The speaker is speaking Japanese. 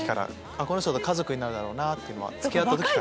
この人と家族になるだろうなっていうのは付き合った時から？